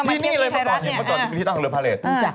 ที่นี่เลยประกอบอยู่ที่นี่แหละ